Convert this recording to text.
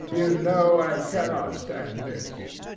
You know I cannot stand this.